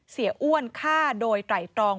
เสียอ้วนฆ่าโดยไตรตรอง